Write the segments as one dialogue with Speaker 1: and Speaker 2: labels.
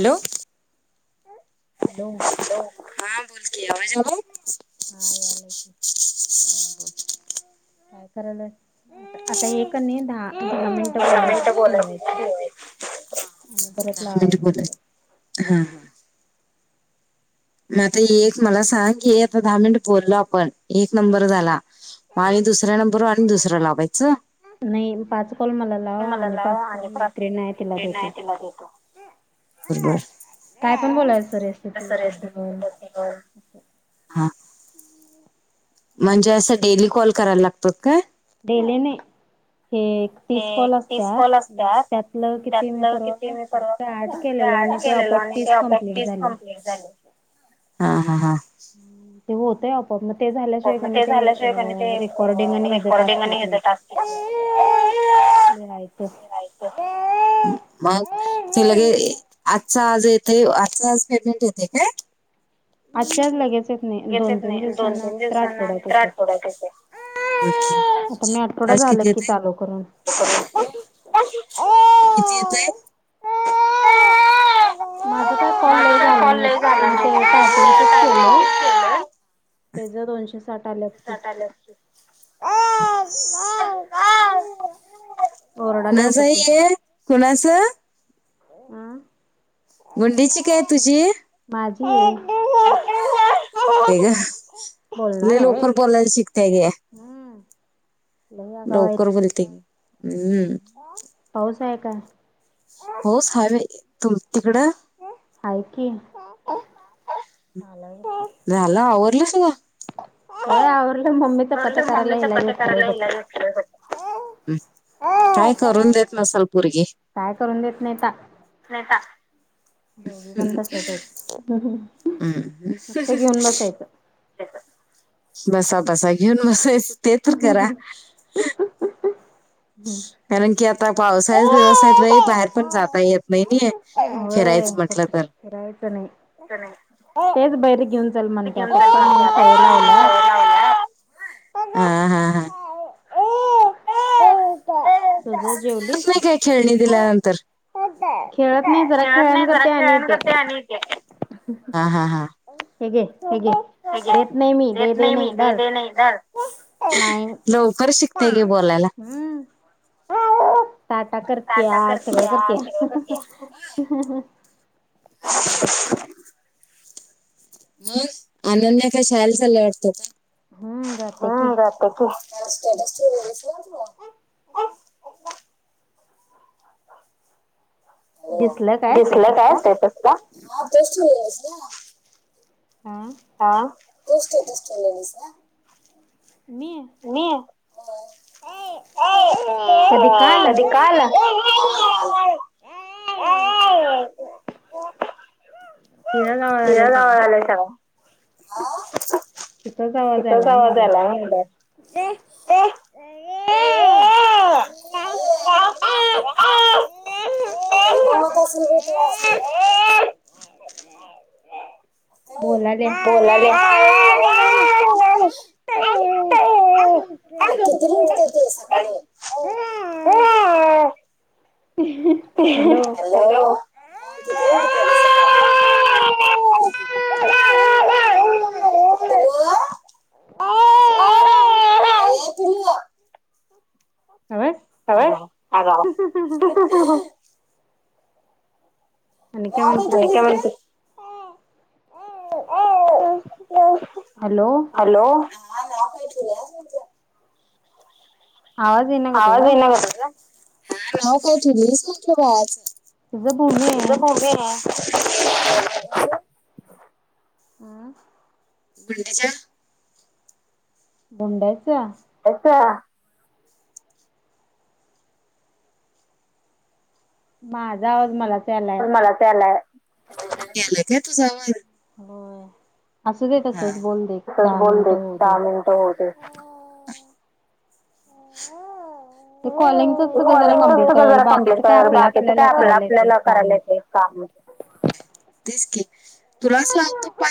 Speaker 1: Hello हां बोलकी आवांज येतो
Speaker 2: हां यांला कां कायं करांयल आंता एक नाहीं दहा दहा मिनिटं बोलायचं ठेवायचं आणि परंत हे लावायचं
Speaker 1: हां हां मी आंता एक मलां सांग की आंता दहा मिनिटं बोललो आपणं एक नंबर झालां आणि दुसऱ्यां नंबरवरं आणि दुसरां लावायचं
Speaker 2: नाहीं पांच कॉल मलां लावां आणि पांच कॉल मैत्रीणी आहेतं तिलां देतो कायं पणं बोलायचं रेसिपी बद्दल
Speaker 1: म्हणजे असं, डेली कॉल करायला लागतात का?
Speaker 2: डेली नाही. हे तीस कॉल असत्यात. मग त्यातलं किती, मी परवा सात का आठ केल्यालो आणि ते आपोआप तीस कंप्लीट झाले.
Speaker 1: झाले. हा, हा, हा.
Speaker 2: ते होतय, आपो आप. मग ते झाल्याशिवाय कनाय, अ रेकॉर्डिंग आणि हेज टास्क येत नाहीत. [inaudible]
Speaker 1: मग ते लगे, आजचा - आज येतेय. आजचा - आज पेमेंट येतय काय?
Speaker 2: आजच्या आज च लगेच येत नाही. दोन - तीन दिवसानं.
Speaker 1: दिवसानं. नाहीतर आठवड्यात येतय. [unintelligible] आज किती येतय? [inaudible] [inaudible] किती येतय? अ [inaudible]
Speaker 2: माझ काय कॉल लई झाला नाहीत. ते टायपिंगच केलं. तेज दोनशे
Speaker 1: साठ आल्यात. माझ ये, कुणाचं?
Speaker 2: अं.
Speaker 1: भुंडीची काय, तुझी?
Speaker 2: माझी [unintelligible]
Speaker 1: [unintelligible] होय, गं. लय लवकर बोलायला शिकत्या हे. लवकर बोलती. हम्म.
Speaker 2: पाऊस हाय काय?
Speaker 1: पाऊस हा वे. तुम तिकडं?
Speaker 2: हाय की.
Speaker 1: झाला आवरलं, सग? आवरलं. मम्मी चपात्या करायली. हिला घेतलं मी. हम्. काय करून देत नसल पुरगी? लय ता [unintelligible] हम्. [unintelligible] बसा - बसा, घेऊन बसायचं. ते तर करा. कारण की, आता पावसाचे दिवस हाईत बाई. बाहेर पण जाता येत नाही. फिरायचं म्हटलं तर.
Speaker 2: फिरायचं नाही.
Speaker 1: च नाही.
Speaker 2: तेच बैर घेऊन चल म्हणत्या. पप्पा नेऊन सवय लावल्या.
Speaker 1: [unintelligible] हा,
Speaker 2: [unintelligible]
Speaker 1: हा, हा.
Speaker 2: [unintelligible] तुझ, जेवलीस?
Speaker 1: खेळणी दिल्यानंतर. खेळत नाही. जरा खेळायला जातेय आणि येत्या. हा, हा, हा.
Speaker 2: हे, घे. हे, घे.
Speaker 1: दे, दे. हे, घे. देत नाही मी. देे, दे नाही. जा. लवकर शिकते घे बोलायला.
Speaker 2: हम. ताटा करत्या सगळं करते.
Speaker 1: मग अनन्या काय शाळेला चाल्या वाटतं.
Speaker 2: हम्म जात की.
Speaker 1: [inaudible] दिसलं काय स्टेटसचा.
Speaker 2: हा,
Speaker 1: हा,
Speaker 2: मी.
Speaker 1: मी.
Speaker 2: कधी काल.
Speaker 1: काल. अ [inaudible] तिला लावलंय सगळं. इथच आवाज यायलाल म्हणलं.
Speaker 2: ते अ [inaudible]
Speaker 1: ए [inaudible] ए [inaudible]
Speaker 2: बोला.
Speaker 1: बोलल्या.
Speaker 2: अ [inaudible]
Speaker 1: ते सकाळी ह [inaudible]
Speaker 2: ईह [inaudible]
Speaker 1: हॅलो, वो, ए पिल्लू.
Speaker 2: गप बस.
Speaker 1: गप बस आगाव. च्या म्हण [inaudible]
Speaker 2: हॅलो,
Speaker 1: हॅलो, हा नाव काय ठेवलेस.
Speaker 2: आवाज.
Speaker 1: आवाज ये ना ग तुझं. तुझं मम्मी.
Speaker 2: हम्म.
Speaker 1: गुंड्याच्या.
Speaker 2: गुंडायचा.
Speaker 1: त्यास.
Speaker 2: माझा आवाज मला लाय.
Speaker 1: त्यालाला काय तुझवर [unintelligible]
Speaker 2: होय असू दे तसच बोल दे दहा मिनटं होऊ दे.
Speaker 1: होऊ दे. कॉलिंग असत का जरा कमप्लट कर बाकीच काय आप आपल्याला करायला येते. काम तेच की [inaudible] तुला सांगतो पा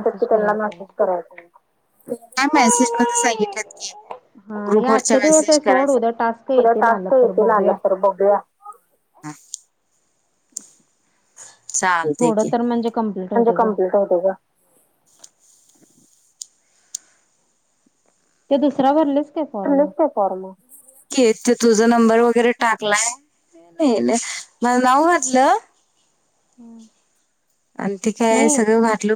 Speaker 1: [unintelligible] [unintelligible] तु त्यांना मसेज करायचाय. तेनी काय मेसेज मधे सांगितल्यात की. ग्रुपवर च्या मेसेज करायच. पुढ टास्क येतील आल तर. बघुया. हम्म चालते की. म्हणजे कम्प्लीट होतय ग.
Speaker 2: ते दुसरा भरलीस?
Speaker 1: भरलीस काय फॉर्म? के तुझ नंबर वगैरे टाकलाय. नाही न. माझ नाव घातलं.
Speaker 2: [inaudible]
Speaker 1: आणि ते काय सगळं घातलं.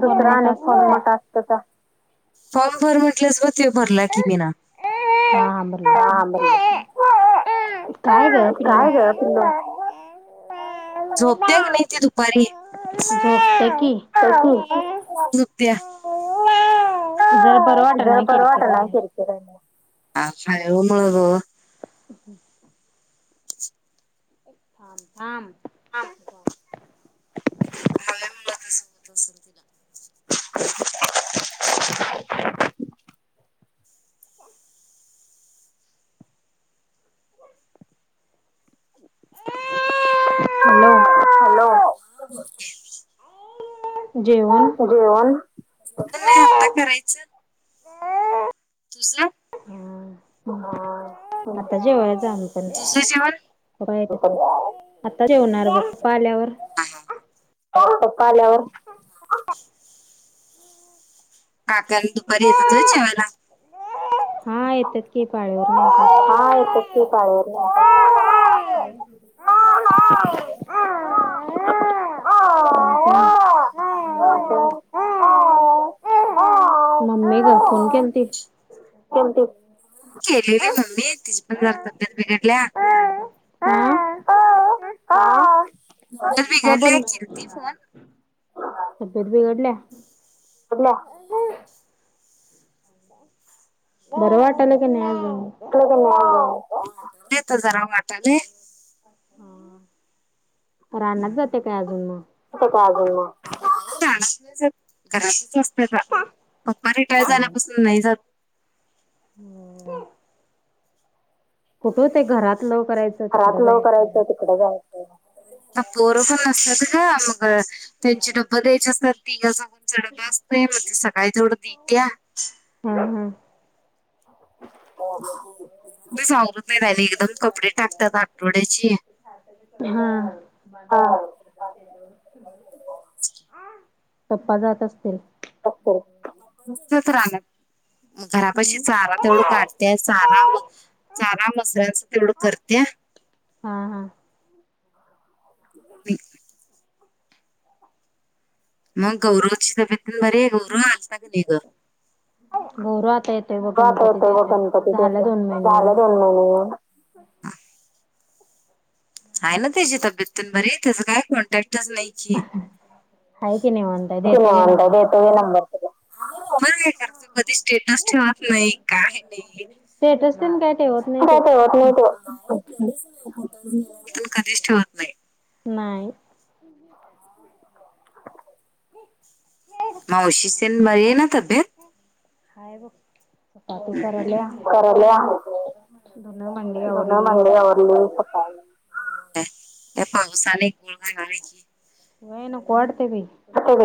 Speaker 1: दुसरा आणि फॉर्म टास्क चा. फॉर्म भर म्हटलंस बघ ते. भरला की मी न.
Speaker 2: हा भरलच ना. काय ग पिल्लू.
Speaker 1: झोपते क नाही ती दुपारी.
Speaker 2: झोपते की.
Speaker 1: त्या की. झुपत्या - जरा बरं वाटना ओ किरकीराल्या. हाय हो मग.
Speaker 2: थाम थाम.
Speaker 1: हां म्हणून मग [unintelligible] [inaudible]
Speaker 2: [inaudible] हॅलो!
Speaker 1: हॅलो!
Speaker 2: जेवण?
Speaker 1: जेवण? कुठ नाही आत्ता करायचं. दुसला.
Speaker 2: आता जेवायच आम्ही पण पाय. आता जेवणार बघ पप्पा आल्यावर.
Speaker 1: पप्पा आल्यावर. काकाण दुपारी येतात हो जेवायला?
Speaker 2: हा येतात की. पाळीवरन येतात.
Speaker 1: हा येतात की पाळीवरण [unintelligible] [unintelligible]
Speaker 2: [unintelligible] मम्मी ग फोन केलती?
Speaker 1: केलती. केलेली मम्मी. तिची पण जरा तब्येत बिघडल्या. [unintelligible] तब्येत बिघडल्या केलती फोन.
Speaker 2: तब्येत बिघडल्या?
Speaker 1: [unintelligible]
Speaker 2: बरं वाटालय की नाही अजून मग?
Speaker 1: [unintelligible] तेत जरा वाटालय.
Speaker 2: [inaudible] का रानात जाते काय अजून मग?
Speaker 1: अजून घरातच असत [unintelligible] पप्पा रिटायर झाल्यापासून नाही जात.
Speaker 2: हम्म. [inaudible] कुठं ते घरातलं
Speaker 1: घरातल करायचं, तिकडे जायचं. पोरं पण असतात का मग त्यांचे डब्बा द्यायचे असतात, तिघजगचा डबा असतोय मग ते सकाळी तेवढं दे त्या.
Speaker 2: हम्, हम,
Speaker 1: मी सांगत नाही राहिले एकदम कपडे टाकतात आठवड्याची.
Speaker 2: हा. पप्पा जात असतील.
Speaker 1: राहणार घरापाशी चारा तेवढं काढ त्या चारा म, चारा मसऱ्याचं तेवढं करत्या.
Speaker 2: हा, हा
Speaker 1: म [unintelligible] मग गौरवची तब्येत बरये? गौरव आलता का नाही ग?
Speaker 2: गौरव आता येत
Speaker 1: आता येतो का गणपतीच येतो, झालं दोन महिने येऊन. आहे ना त्याची तब्येत पण बरी, तुज काय कॉन्टॅक्टच नाही. तम देेतो नंबर [unintelligible] तुम्हाला काय करायचं, कधी स्टेटस ठेवत नाही काय नाही.
Speaker 2: स्टेटस कस काय
Speaker 1: [unintelligible] कातत प कधीच ठेवत नाही
Speaker 2: नाही. ह [inaudible]
Speaker 1: माऊशिची तेन बरी आहे तब्येत?
Speaker 2: हाय बघ. चपाती करल्या, धुन भांडी आवरली सकाळी.
Speaker 1: पवसा नाही गुळ घाख [unintelligible]
Speaker 2: नाही नको वाटतंय बाई.
Speaker 1: कितीबी,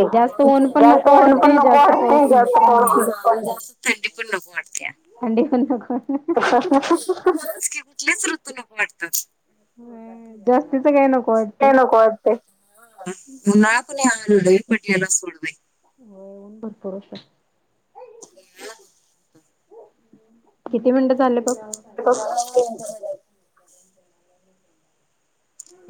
Speaker 1: जास्त ऊन पन नको वाटते जास्त आणि जास्त थंडी पण नको वाटते.
Speaker 2: थंडी पण नको
Speaker 1: तेच की कुठलेच ऋतू नको वाटतात.
Speaker 2: जास्तीच काय नको वाटते.
Speaker 1: उन्हाळा पण या वेळेला लय पडलेला सोड बाई.
Speaker 2: होय ऊन भरपूर होत.
Speaker 1: ह [unintelligible]
Speaker 2: किती मिनिटं झाले बघ?
Speaker 1: हो [inaudible]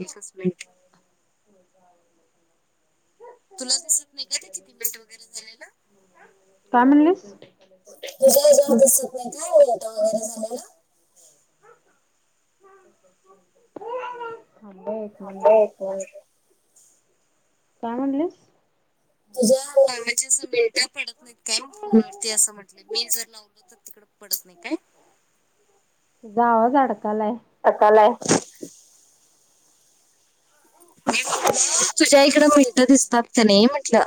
Speaker 1: एकच मिनिटं.
Speaker 2: हो का [inaudible]
Speaker 1: तुला दिसत नाही का ते किती मिनट वगैरे झालेला. तुझा ह्याच्यावर दिसत नाही का कट वगैरे झालेला?
Speaker 2: थंड आहे.
Speaker 1: आता एक
Speaker 2: काय म्हणलीस?
Speaker 1: तुझ कामाची असं मिनटं पडत नाहीत काय फोनवरती असं म्हटले मी जर लावलो तर तिकड पडत नाय काय?
Speaker 2: तुझा आवाज अडकालाय.
Speaker 1: आता आलाय मी तुला तुझ्या इकडं मिनिट दिसतात का नई म्हटलं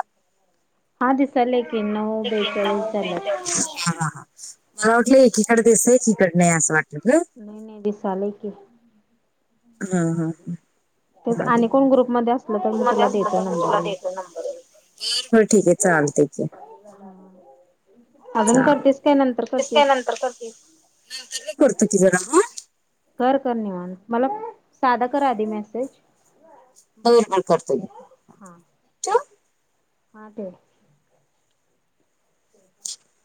Speaker 2: हा दिसालय की नऊ बेचाळीस झाल्यात.
Speaker 1: [unintelligible] हा मला वाटलं एकीकड दिसतंय एकीकड नाय असं वाटलं ग
Speaker 2: नय नय दिसालय की,
Speaker 1: ह ह [unintelligible] झाले. ग्रुपमध्ये असलं तर मी तुला देतो नंबर बरं ठीक ये चालते की, चालते. ठीक हाय नंतर करती. नंतर नी करतो की जरा ह
Speaker 2: कर कर निवांत मला साधा कर आधी मेसेज
Speaker 1: बरं बरं करतो मी
Speaker 2: हा ठेव. स्वयंपाक